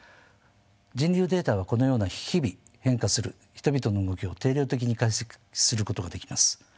人流データはこのような日々変化する人々の動きを定量的に解析することができます。